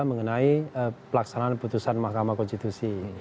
mengenai pelaksanaan putusan mahkamah konstitusi